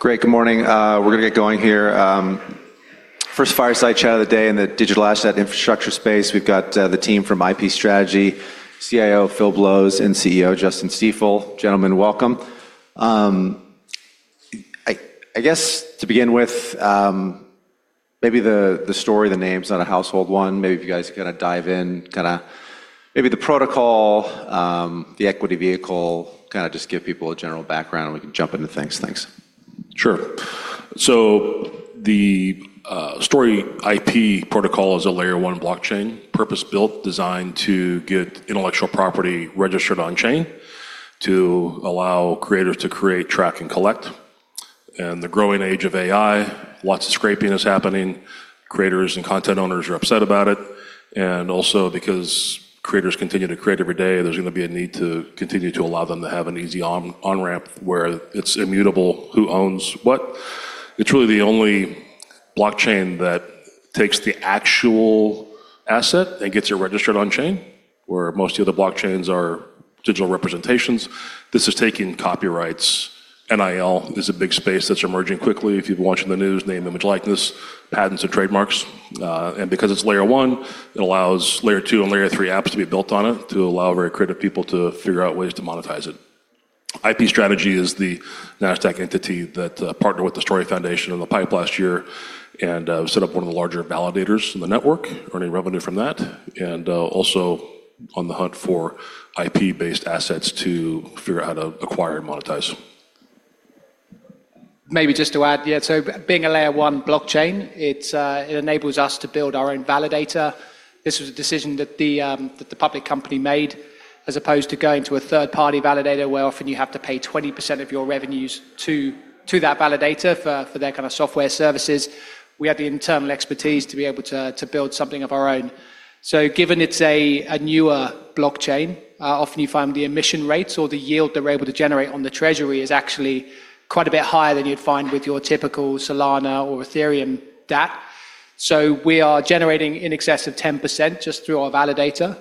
Great. Good morning. We're gonna get going here. First fireside chat of the day in the digital asset infrastructure space. We've got the team from IP Strategy, CIO Phil Blows and CEO Justin Stiefel. Gentlemen, welcome. I guess to begin with, maybe the story, the name's not a household one. Maybe if you guys kinda dive in, kinda maybe the protocol, the equity vehicle, kinda just give people a general background, and we can jump into things. Thanks. Sure. The Story Protocol is a Layer 1 blockchain, purpose-built, designed to get intellectual property registered on chain to allow creators to create, track, and collect. In the growing age of AI, lots of scraping is happening. Creators and content owners are upset about it, and also because creators continue to create every day, there's gonna be a need to continue to allow them to have an easy onramp where it's immutable who owns what. It's really the only blockchain that takes the actual asset and gets it registered on chain, where most of the other blockchains are digital representations. This is taking copyrights. NIL is a big space that's emerging quickly. If you've been watching the news, name, image, likeness, patents or trademarks. Because it's Layer 1, it allows Layer 2 and Layer 3 apps to be built on it to allow very creative people to figure out ways to monetize it. IP Strategy is the Nasdaq entity that partnered with the Story Foundation on the PIPE last year and set up one of the larger validators in the network, earning revenue from that, and also on the hunt for IP-based assets to figure out how to acquire and monetize. Maybe just to add, yeah, so being a Layer 1 blockchain, it enables us to build our own validator. This was a decision that the public company made as opposed to going to a third-party validator where often you have to pay 20% of your revenues to that validator for their kind of software services. We had the internal expertise to be able to build something of our own. Given it's a newer blockchain, often you find the emission rates or the yield that we're able to generate on the treasury is actually quite a bit higher than you'd find with your typical Solana or Ethereum that. We are generating in excess of 10% just through our validator.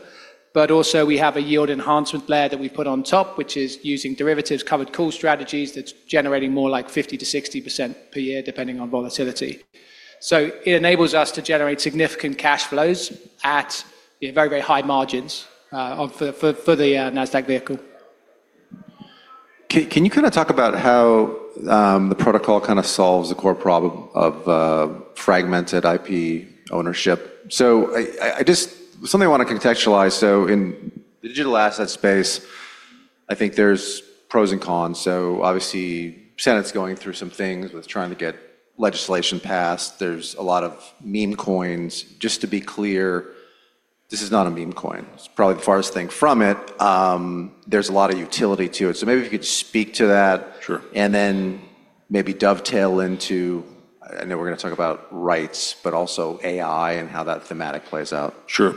Also we have a yield enhancement layer that we put on top, which is using derivatives, covered call strategies, that's generating more like 50%-60% per year, depending on volatility. It enables us to generate significant cash flows at very, very high margins on for the Nasdaq vehicle. Can you kinda talk about how the protocol kinda solves the core problem of fragmented IP ownership? Something I wanna contextualize in the digital asset space, I think there's pros and cons. Obviously, Senate's going through some things with trying to get legislation passed. There's a lot of meme coins. Just to be clear, this is not a meme coin. It's probably the farthest thing from it. There's a lot of utility to it. Maybe if you could speak to that. Sure. And then maybe dovetail into, I know we're gonna talk about rights, but also AI and how that thematic plays out. Sure.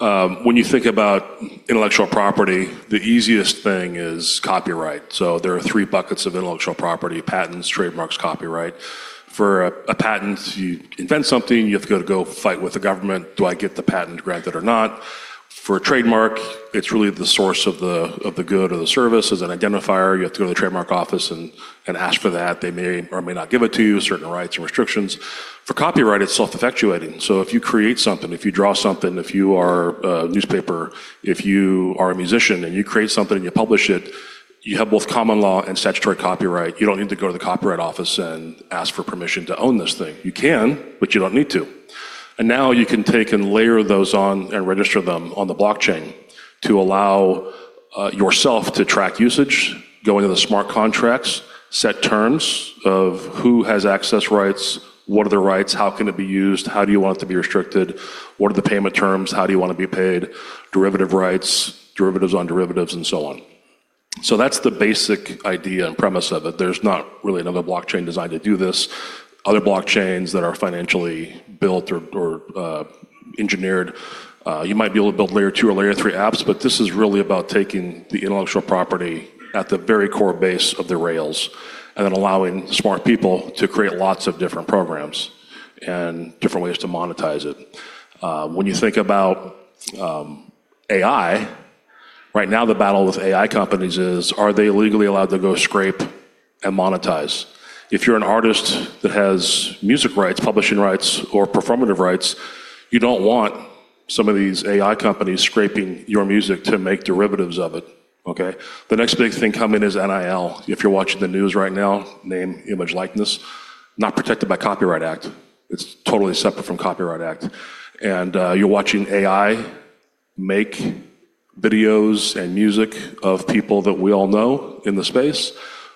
When you think about intellectual property, the easiest thing is copyright. There are three buckets of intellectual property: patents, trademarks, copyright. For a patent, you invent something, you have to go fight with the government. Do I get the patent granted or not? For a trademark, it's really the source of the good or the service. As an identifier, you have to go to the trademark office and ask for that. They may or may not give it to you, certain rights and restrictions. For copyright, it's self-effectuating. If you create something, if you draw something, if you are a newspaper, if you are a musician, and you create something and you publish it, you have both common law and statutory copyright. You don't need to go to the Copyright Office and ask for permission to own this thing. You can, but you don't need to. Now you can take and layer those on and register them on the blockchain to allow yourself to track usage, go into the smart contracts, set terms of who has access rights, what are the rights, how can it be used, how do you want it to be restricted, what are the payment terms, how do you wanna be paid, derivative rights, derivatives on derivatives, and so on. That's the basic idea and premise of it. There's not really another blockchain designed to do this. Other blockchains that are financially built or engineered, you might be able to build Layer 2 or Layer 3 apps, but this is really about taking the intellectual property at the very core base of the rails and then allowing smart people to create lots of different programs and different ways to monetize it. When you think about AI, right now the battle with AI companies is, are they legally allowed to go scrape and monetize? If you're an artist that has music rights, publishing rights, or performance rights, you don't want some of these AI companies scraping your music to make derivatives of it. Okay? The next big thing coming is NIL. If you're watching the news right now, name, image, likeness, not protected by Copyright Act. It's totally separate from Copyright Act. You're watching AI make videos and music of people that we all know in the space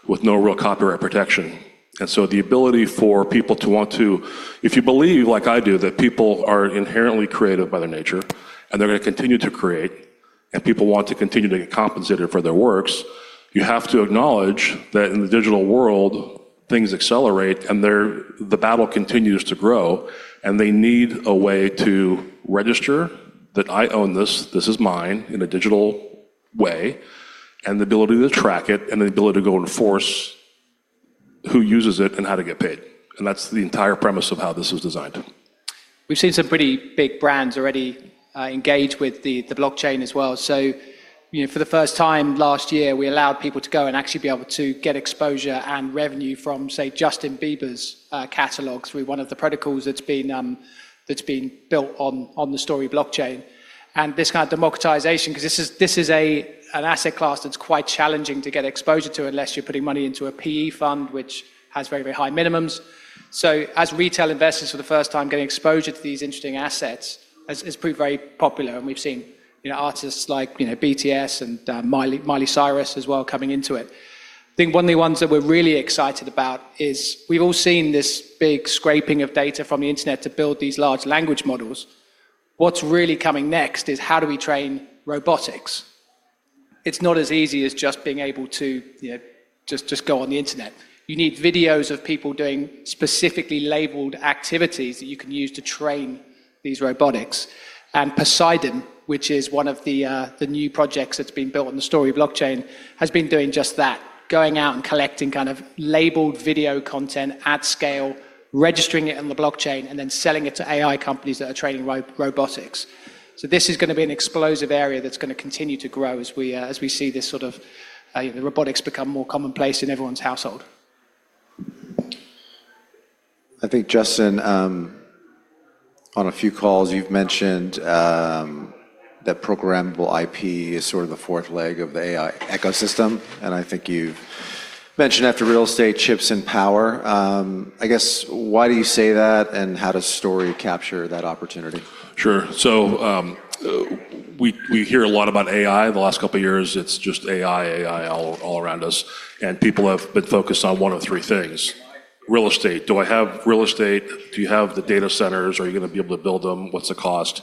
with no real copyright protection. The ability for people, if you believe, like I do, that people are inherently creative by their nature, and they're gonna continue to create, and people want to continue to get compensated for their works, you have to acknowledge that in the digital world, things accelerate, and the battle continues to grow, and they need a way to register that I own this is mine in a digital way, and the ability to track it, and the ability to go enforce who uses it and how to get paid. That's the entire premise of how this was designed. We've seen some pretty big brands already engage with the blockchain as well. You know, for the first time last year, we allowed people to go and actually be able to get exposure and revenue from, say, Justin Bieber's catalog through one of the protocols that's been built on the Story blockchain. 'Cause this is an asset class that's quite challenging to get exposure to unless you're putting money into a PE fund which has very high minimums. As retail investors for the first time getting exposure to these interesting assets has proved very popular, and we've seen, you know, artists like, you know, BTS and Miley Cyrus as well coming into it. I think one of the ones that we're really excited about is we've all seen this big scraping of data from the internet to build these large language models. What's really coming next is how do we train robotics? It's not as easy as just being able to, you know, just go on the internet. You need videos of people doing specifically labeled activities that you can use to train these robotics. Poseidon, which is one of the new projects that's been built on the Story blockchain, has been doing just that, going out and collecting kind of labeled video content at scale, registering it on the blockchain, and then selling it to AI companies that are training robotics. This is gonna be an explosive area that's gonna continue to grow as we see this sort of the robotics become more commonplace in everyone's household. I think, Justin, on a few calls you've mentioned that programmable IP is sort of the fourth leg of the AI ecosystem, and I think you've mentioned after real estate, chips, and power. I guess why do you say that, and how does Story capture that opportunity? Sure. We hear a lot about AI. The last couple years it's just AI all around us, and people have been focused on one of three things. Real estate. Do I have real estate? Do you have the data centers? Are you gonna be able to build them? What's the cost?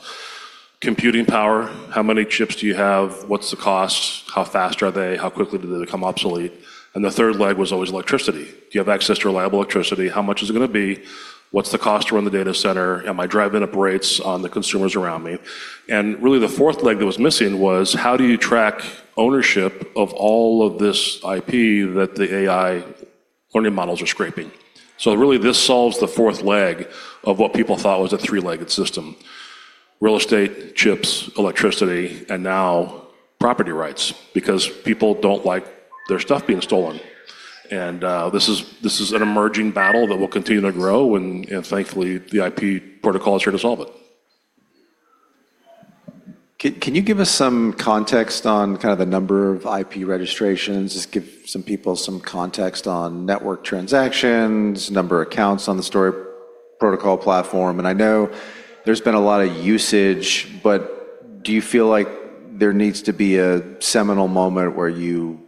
Computing power. How many chips do you have? What's the cost? How fast are they? How quickly do they become obsolete? The third leg was always electricity. Do you have access to reliable electricity? How much is it gonna be? What's the cost to run the data center? Am I driving up rates on the consumers around me? Really the fourth leg that was missing was how do you track ownership of all of this IP that the AI learning models are scraping? Really this solves the fourth leg of what people thought was a three-legged system. Real estate, chips, electricity, and now property rights, because people don't like their stuff being stolen. This is an emerging battle that will continue to grow, and thankfully, the IP protocol is here to solve it. Can you give us some context on kind of the number of IP registrations? Just give some people some context on network transactions, number of accounts on the Story Protocol platform. I know there's been a lot of usage, but do you feel like there needs to be a seminal moment where you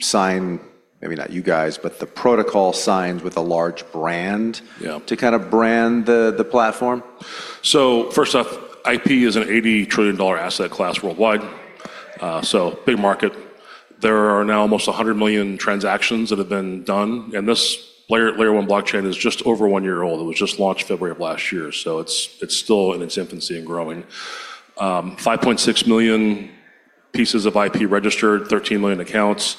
sign, maybe not you guys, but the protocol signs with a large brand- Yeah -to kind of brand the platform? First off, IP is an $80 trillion asset class worldwide, so big market. There are now almost 100 million transactions that have been done, and this Layer 1 blockchain is just over one year old. It was just launched February of last year, it's still in its infancy and growing. 5.6 million pieces of IP registered, 13 million accounts.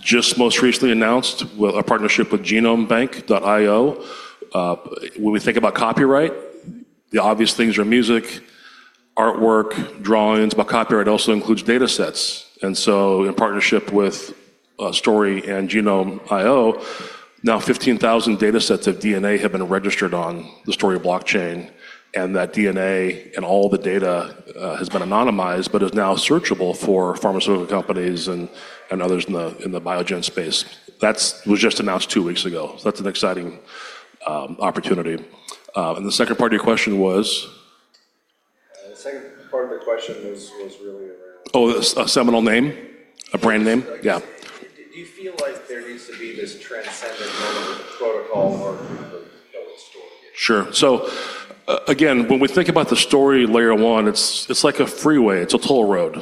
Just most recently announced a partnership with Genome bank at Ohio. When we think about copyright, the obvious things are music, artwork, drawings, but copyright also includes datasets. In partnership with Story and Genome.io, now 15,000 datasets of DNA have been registered on the Story blockchain, and that DNA and all the data has been anonymized but is now searchable for pharmaceutical companies and others in the biogenomics space. That was just announced two weeks ago, so that's an exciting opportunity. The second part of your question was? The second part of the question was really around. Oh, a seminal name? A brand name? Yeah. Do you feel like there needs to be this transcendent moment where the protocol or, you know, Story? Sure. Again, when we think about the Story Layer 1, it's like a freeway. It's a toll road.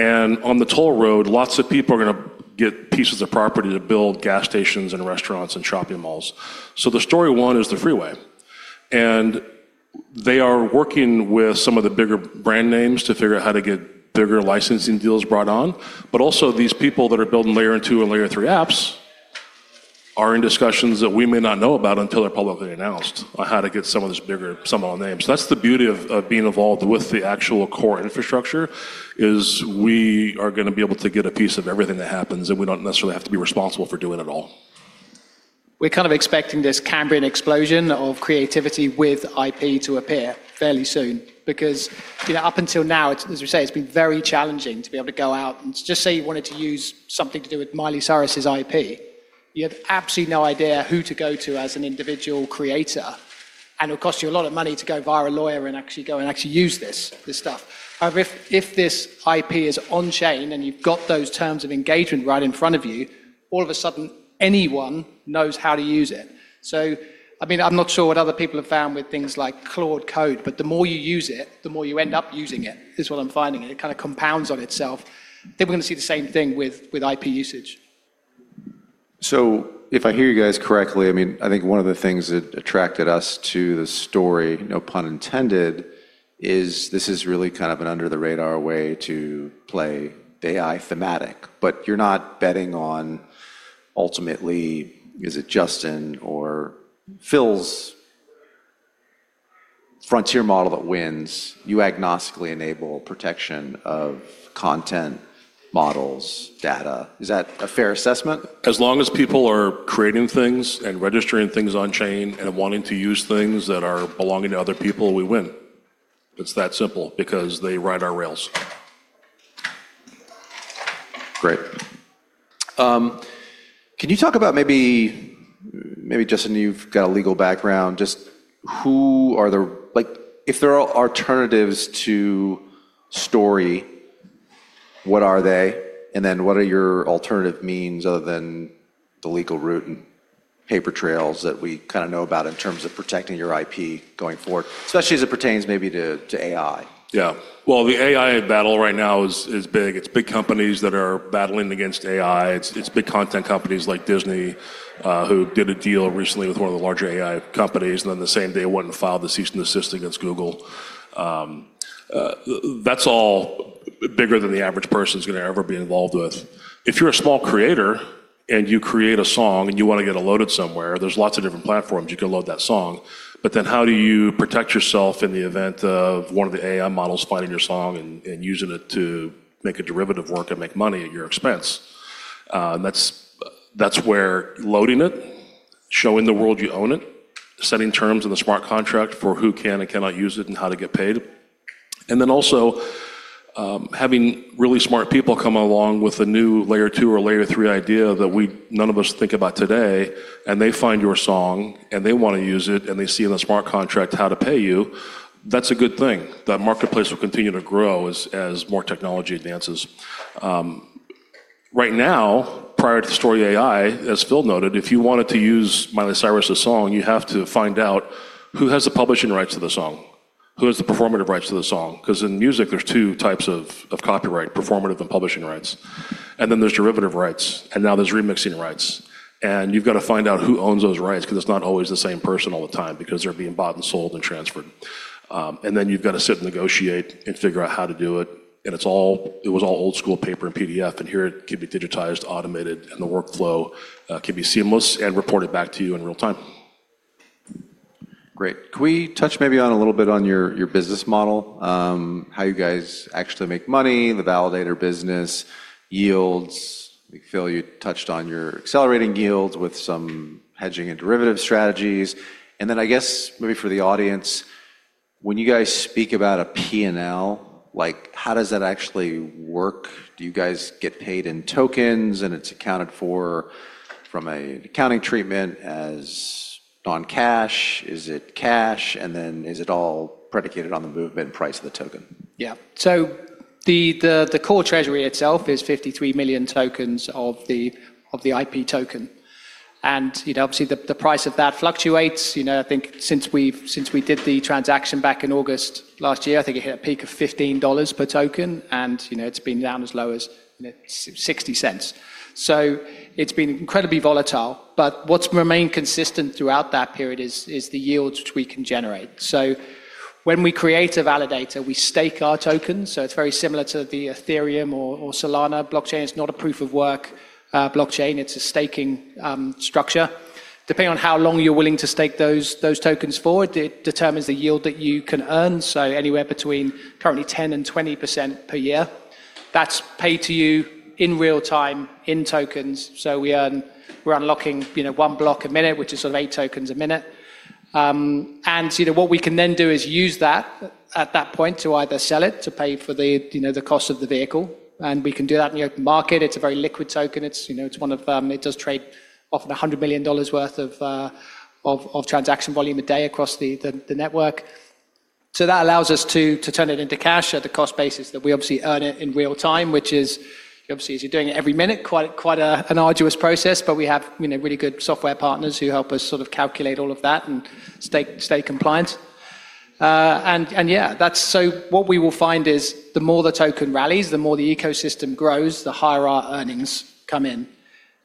On the toll road, lots of people are gonna get pieces of property to build gas stations and restaurants and shopping malls. The Story 1 is the freeway. They are working with some of the bigger brand names to figure out how to get bigger licensing deals brought on. These people that are building Layer 2 and Layer 3 apps are in discussions that we may not know about until they're publicly announced on how to get some of those bigger seminal names. That's the beauty of being involved with the actual core infrastructure. We are gonna be able to get a piece of everything that happens, and we don't necessarily have to be responsible for doing it all. We're kind of expecting this Cambrian explosion of creativity with IP to appear fairly soon because, you know, up until now it's, as we say, it's been very challenging to be able to go out and just say you wanted to use something to do with Miley Cyrus's IP. You have absolutely no idea who to go to as an individual creator, and it'll cost you a lot of money to go via a lawyer and actually go and actually use this stuff. However, if this IP is on chain and you've got those terms of engagement right in front of you, all of a sudden anyone knows how to use it. I mean, I'm not sure what other people have found with things like Claude Code, but the more you use it, the more you end up using it is what I'm finding, and it kind of compounds on itself. Think we're gonna see the same thing with IP usage. If I hear you guys correctly, I mean, I think one of the things that attracted us to the Story, no pun intended. Is this really kind of an under the radar way to play AI thematic, but you're not betting on ultimately is it Justin or Phil's frontier model that wins? You agnostically enable protection of content models data. Is that a fair assessment? As long as people are creating things and registering things on chain and wanting to use things that are belonging to other people, we win. It's that simple because they ride our rails. Great. Can you talk about maybe Justin, you've got a legal background, just who are like, if there are alternatives to Story, what are they? And then what are your alternative means other than the legal route and paper trails that we kinda know about in terms of protecting your IP going forward, especially as it pertains maybe to AI? Yeah. Well, the AI battle right now is big. It's big companies that are battling against AI. It's big content companies like Disney, who did a deal recently with one of the larger AI companies, and then the same day went and filed the cease and desist against Google. That's all bigger than the average person's gonna ever be involved with. If you're a small creator, and you create a song, and you wanna get it loaded somewhere, there's lots of different platforms you can load that song. But then how do you protect yourself in the event of one of the AI models finding your song and using it to make a derivative work and make money at your expense? That's where loading it, showing the world you own it, setting terms in the smart contract for who can and cannot use it and how to get paid. Having really smart people come along with a new Layer 2 or Layer 3 idea that none of us think about today, and they find your song, and they wanna use it, and they see in the smart contract how to pay you, that's a good thing. That marketplace will continue to grow as more technology advances. Right now, prior to Story AI, as Phil noted, if you wanted to use Miley Cyrus's song, you have to find out who has the publishing rights to the song, who has the performance rights to the song 'cause in music there's two types of copyright, performance and publishing rights, and then there's derivative rights, and now there's remixing rights. You've gotta find out who owns those rights 'cause it's not always the same person all the time because they're being bought and sold and transferred. Then you've gotta sit and negotiate and figure out how to do it, and it was all old school paper and PDF, and here it can be digitized, automated, and the workflow can be seamless and reported back to you in real time. Great. Can we touch maybe on a little bit on your business model, how you guys actually make money, the validator business yields? Phil, you touched on your accelerating yields with some hedging and derivative strategies. I guess maybe for the audience, when you guys speak about a P&L, like how does that actually work? Do you guys get paid in tokens, and it's accounted for from an accounting treatment as non-cash? Is it cash? Is it all predicated on the movement price of the token? Yeah. The core treasury itself is 53 million tokens of the IP token. You know, obviously, the price of that fluctuates. You know, I think since we did the transaction back in August last year, I think it hit a peak of $15 per token, and, you know, it's been down as low as $0.60. It's been incredibly volatile, but what's remained consistent throughout that period is the yields which we can generate. When we create a validator, we stake our tokens, so it's very similar to the Ethereum or Solana blockchain. It's not a proof of work blockchain. It's a staking structure. Depending on how long you're willing to stake those tokens for determines the yield that you can earn, so anywhere between currently 10%-20% per year. That's paid to you in real time in tokens. We're unlocking, you know, one block a minute, which is sort of eight tokens a minute. You know, what we can then do is use that at that point to either sell it to pay for the, you know, the cost of the vehicle, and we can do that in the open market. It's a very liquid token. It's, you know, it's one of. It does trade off of $100 million worth of transaction volume a day across the network. That allows us to turn it into cash at the cost basis that we obviously earn it in real time, which is obviously as you're doing it every minute, quite an arduous process. We have, you know, really good software partners who help us sort of calculate all of that and stay compliant. What we will find is the more the token rallies, the more the ecosystem grows, the higher our earnings come in.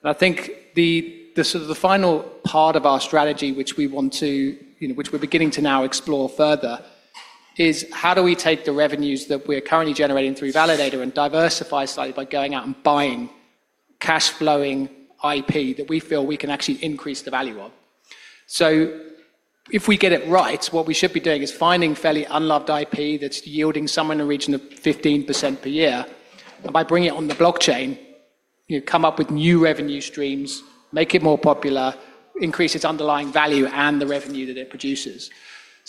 I think the sort of final part of our strategy, which we want to, you know, which we're beginning to now explore further, is how do we take the revenues that we're currently generating through validator and diversify slightly by going out and buying cash flowing IP that we feel we can actually increase the value of? If we get it right, what we should be doing is finding fairly unloved IP that's yielding somewhere in the region of 15% per year. By bringing it on the blockchain, you know, come up with new revenue streams, make it more popular, increase its underlying value and the revenue that it produces.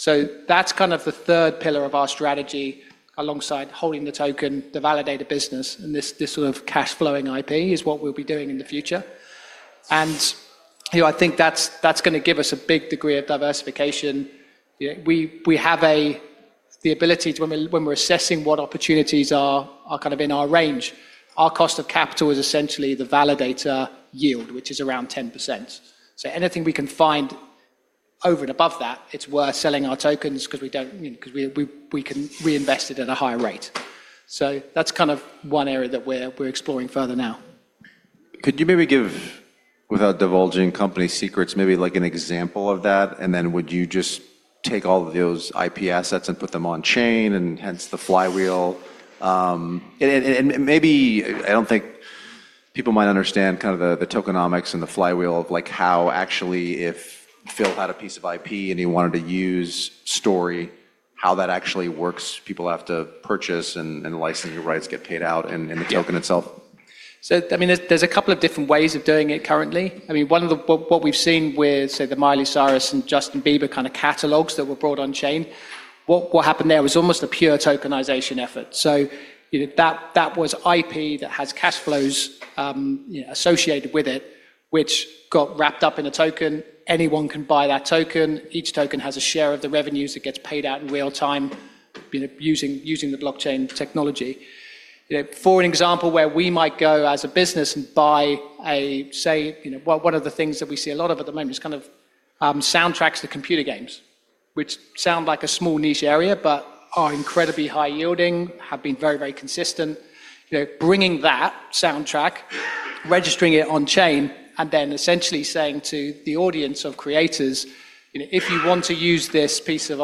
That's kind of the third pillar of our strategy alongside holding the token, the validator business, and this sort of cash flowing IP is what we'll be doing in the future. You know, I think that's gonna give us a big degree of diversification. You know, we have the ability to when we're assessing what opportunities are kind of in our range, our cost of capital is essentially the validator yield, which is around 10%. So anything we can find over and above that, it's worth selling our tokens 'cause we don't, you know, 'cause we can reinvest it at a higher rate. That's kind of one area that we're exploring further now. Could you maybe give, without divulging company secrets, maybe like an example of that? Then would you just take all of those IP assets and put them on chain and hence the flywheel? Maybe I don't think people might understand kind of the tokenomics and the flywheel of like how actually if Phil had a piece of IP and he wanted to use Story, how that actually works. People have to purchase and license your rights get paid out in the token itself. I mean, there's a couple of different ways of doing it currently. I mean, what we've seen with, say, the Miley Cyrus and Justin Bieber kind of catalogs that were brought on chain, what happened there was almost a pure tokenization effort. You know, that was IP that has cash flows, you know, associated with it, which got wrapped up in a token. Anyone can buy that token. Each token has a share of the revenues that gets paid out in real time, you know, using the blockchain technology. You know, for an example where we might go as a business and buy a, say, you know. One of the things that we see a lot of at the moment is kind of soundtracks to computer games, which sound like a small niche area, but are incredibly high yielding, have been very, very consistent. You know, bringing that soundtrack, registering it on chain, and then essentially saying to the audience of creators, "You know, if you want to use this piece of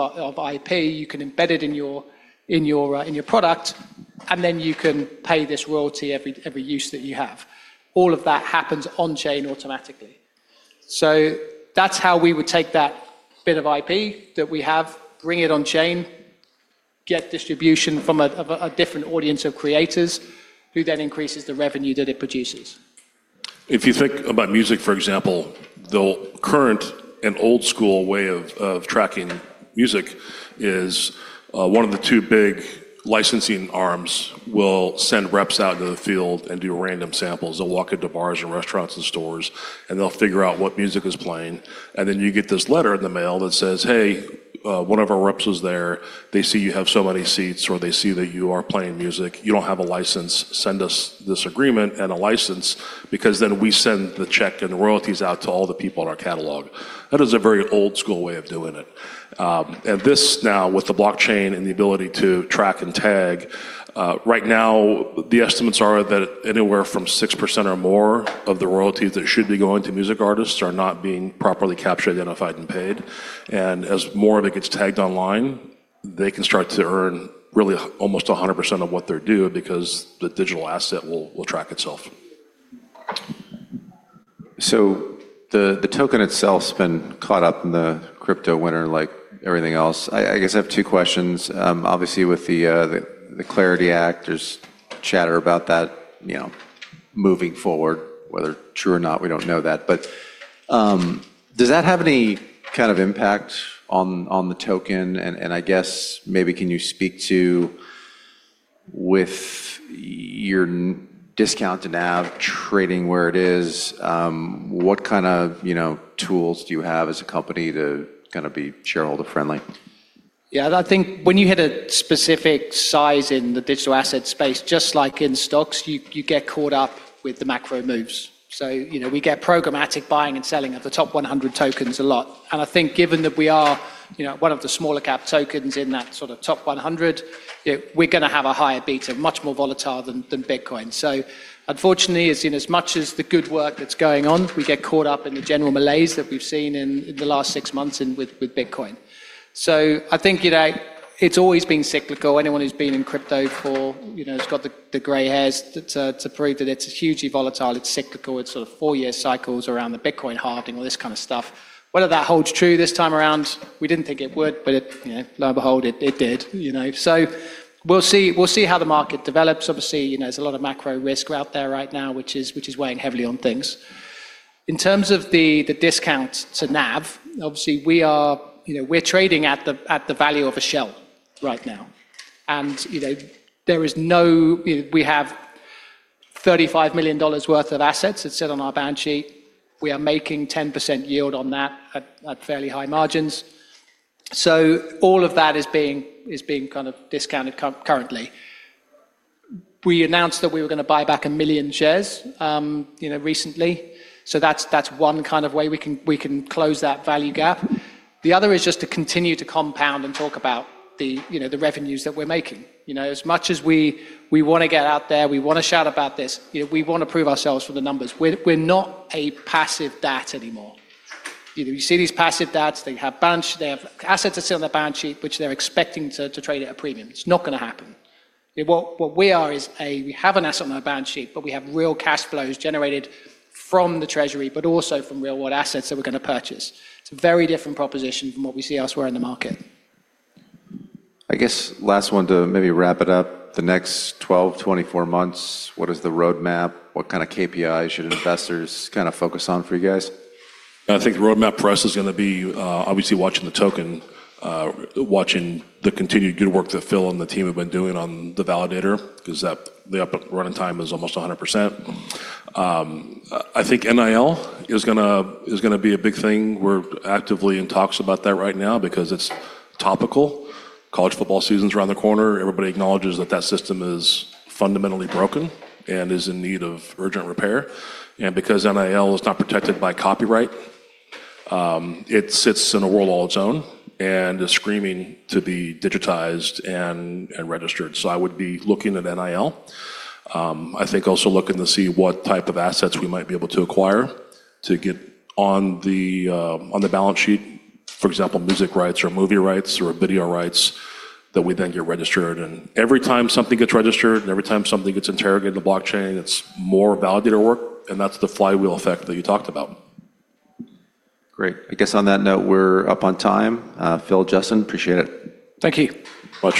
IP, you can embed it in your product, and then you can pay this royalty every use that you have." All of that happens on chain automatically. That's how we would take that bit of IP that we have, bring it on chain, get distribution from a different audience of creators who then increases the revenue that it produces. If you think about music, for example, the current and old school way of tracking music is one of the two big licensing arms will send reps out into the field and do random samples. They'll walk into bars and restaurants and stores, and they'll figure out what music is playing. Then you get this letter in the mail that says, "Hey, one of our reps was there. They see you have so many seats," or, "They see that you are playing music. You don't have a license. Send us this agreement and a license, because then we send the check and the royalties out to all the people in our catalog." That is a very old school way of doing it. This now with the blockchain and the ability to track and tag, right now the estimates are that anywhere from 6% or more of the royalties that should be going to music artists are not being properly captured, identified, and paid. As more of it gets tagged online, they can start to earn really almost 100% of what they're due because the digital asset will track itself. The token itself's been caught up in the crypto winter like everything else. I guess I have two questions. Obviously with the CLARITY Act, there's chatter about that, you know, moving forward. Whether true or not, we don't know that. Does that have any kind of impact on the token? I guess maybe can you speak to with your discount to NAV trading where it is, what kind of, you know, tools do you have as a company to kinda be shareholder friendly? Yeah. I think when you hit a specific size in the digital asset space, just like in stocks, you get caught up with the macro moves. You know, we get programmatic buying and selling of the top 100 tokens a lot. I think given that we are, you know, one of the smaller cap tokens in that sort of top 100, you know, we're gonna have a higher beta, much more volatile than Bitcoin. Unfortunately, in as much as the good work that's going on, we get caught up in the general malaise that we've seen in the last six months with Bitcoin. I think, you know, it's always been cyclical. Anyone who's been in crypto, you know, has got the gray hairs to prove that it's hugely volatile, it's cyclical. It's sort of four-year cycles around the Bitcoin halving, all this kind of stuff. Whether that holds true this time around, we didn't think it would, but it, you know, lo and behold, it did, you know. We'll see how the market develops. Obviously, you know, there's a lot of macro risk out there right now, which is weighing heavily on things. In terms of the discount to NAV, obviously, you know, we're trading at the value of a shell right now. You know, we have $35 million worth of assets that sit on our balance sheet. We are making 10% yield on that at fairly high margins. All of that is being kind of discounted currently. We announced that we were gonna buy back 1 million shares, you know, recently, so that's one kind of way we can close that value gap. The other is just to continue to compound and talk about the, you know, the revenues that we're making. You know, as much as we wanna get out there, we wanna shout about this, you know, we wanna prove ourselves through the numbers. We're not a passive DAT anymore. You know, you see these passive DATs, they have assets that sit on their balance sheet, which they're expecting to trade at a premium. It's not gonna happen. You know, what we are is we have an asset on our balance sheet, but we have real cash flows generated from the treasury, but also from real world assets that we're gonna purchase. It's a very different proposition from what we see elsewhere in the market. I guess last one to maybe wrap it up. The next 12, 24 months, what is the roadmap? What kind of KPIs should investors kinda focus on for you guys? I think the roadmap for us is gonna be obviously watching the token, watching the continued good work that Phil and the team have been doing on the validator, 'cause that, the uptime is almost 100%. I think NIL is gonna be a big thing. We're actively in talks about that right now because it's topical. College football season's around the corner. Everybody acknowledges that that system is fundamentally broken and is in need of urgent repair. Because NIL is not protected by copyright, it sits in a world all its own and is screaming to be digitized and registered. I would be looking at NIL. I think also looking to see what type of assets we might be able to acquire to get on the balance sheet. For example, music rights or movie rights or video rights that we then get registered. Every time something gets registered and every time something gets interrogated in the blockchain, it's more validator work, and that's the flywheel effect that you talked about. Great. I guess on that note, we're up on time. Phil, Justin, I appreciate it. Thank you. Much appreciated.